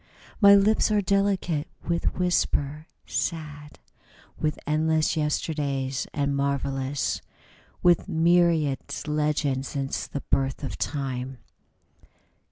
My lips are delicate with whisper, sad With endless yesterdays, and marvellous With myriad legends since the birth of Time.